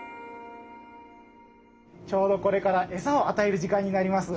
ちょうどこれからエサをあたえる時間になります。